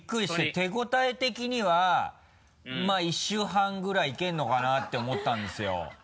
手応え的には１週半ぐらいいけるのかなって思ったんですよ。